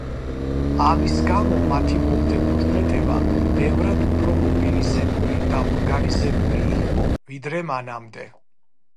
ამის გამო, მათი მომდევნო შეტევა ბევრად უფრო მობილიზებული და ორგანიზებული იყო, ვიდრე მანამდე.